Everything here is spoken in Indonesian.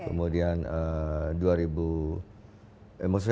kemudian dua ribu eh maksudnya dua ribu dua puluh satu